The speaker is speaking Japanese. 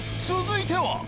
続いては］